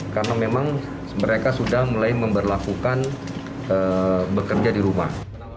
karena memang mereka sudah mulai memperlakukan bekerja di rumah